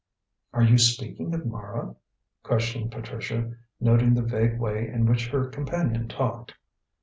"Are you speaking of Mara?" questioned Patricia, noting the vague way in which her companion talked.